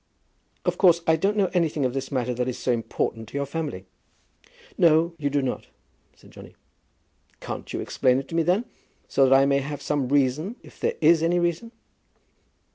"Of course I don't know anything of this matter that is so important to your family." "No; you do not," said Johnny. "Can't you explain it to me, then? so that I may have some reason, if there is any reason."